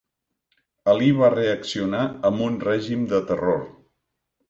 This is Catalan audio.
Alí va reaccionar amb un règim de terror.